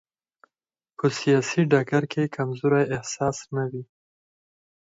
په سیاسي ډګر کې کمزورۍ احساس نه وي.